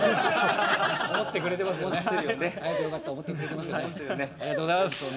思ってくれてますよね。